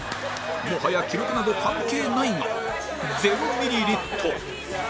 もはや記録など関係ないが０ミリリットル